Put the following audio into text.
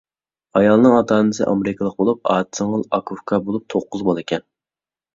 ئايالنىڭ ئاتا-ئانىسى ئامېرىكىلىق بولۇپ، ئاچا-سىڭىل، ئاكا-ئۇكا بولۇپ توققۇز بالىكەن.